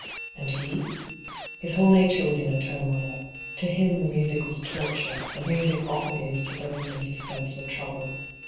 And he ? His whole nature was in a turmoil. To him the music was torture, as music often is to those in suspense or trouble.